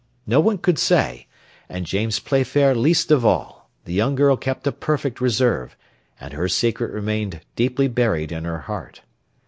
No one could say, and James Playfair least of all; the young girl kept a perfect reserve, and her secret remained deeply buried in her heart.